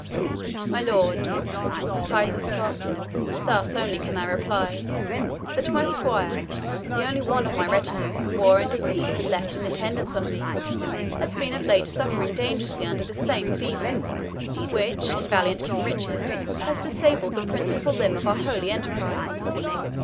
"My lord," replied the Scot, "thus only can I reply that my squire, the only one of my retinue whom war and disease had left in attendance on me, has been of late suffering dangerously under this same fever, which, in valiant King Richard, has disabled the principal limb of our holy enterprise.